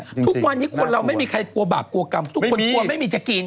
ทุกวันนี้คนเราไม่มีใครกลัวบาปกลัวกรรมทุกคนกลัวไม่มีจะกิน